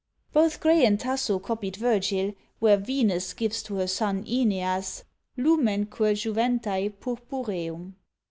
Both Gray and Tasso copied Virgil, where Venus gives to her son Ãneas Lumenque JuventÃḊ Purpureum.